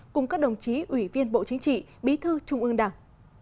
cùng các đồng chí ủy viên bộ chính trị bí thư trung ương đảng